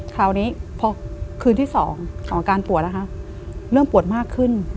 คราวนี้พอคืนที่๒ของอาการปวดนะคะเริ่มปวดมากขึ้น